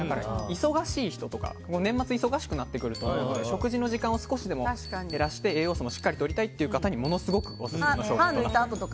忙しい人とか年末忙しくなってくると食事の時間を少しでも減らして栄養素もしっかりとりたいという方にものすごいオススメです。